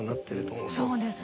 そうですね。